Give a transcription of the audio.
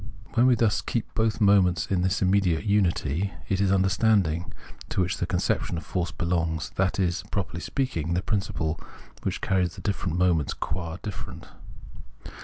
" When we thus keep both moments in this immediate unity, it is Understanding, to which the conception of force belongs, that is, properly speaking, the principle which carries the difierent moments qua different.